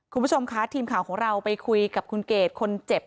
คุณผู้ชมคะทีมข่าวของเราไปคุยกับคุณเกดคนเจ็บ